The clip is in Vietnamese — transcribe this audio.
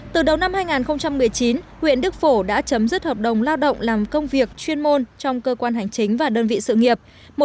từ đầu năm hai nghìn một mươi chín huyện đức phổ đã chấm dứt hợp đồng lao động làm công việc chuyên môn trong cơ quan hành chính và đơn vị sự nghiệp